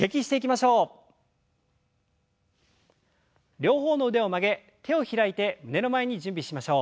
両方の腕を曲げ手を開いて胸の前に準備しましょう。